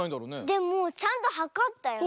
でもちゃんとはかったよ。